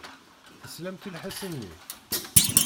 Teslamt i lḥess-nni?